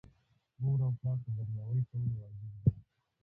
مور او پلار ته درناوی کول واجب دي.